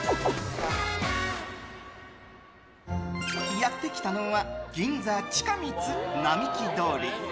やってきたのは銀座ちかみつ並木通り。